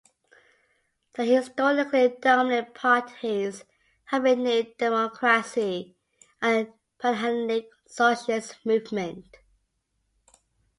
The historically dominant parties have been New Democracy and the Panhellenic Socialist Movement.